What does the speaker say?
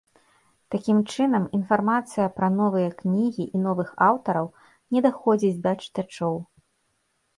Такім чынам, інфармацыя пра новыя кнігі і новых аўтараў не даходзіць да чытачоў.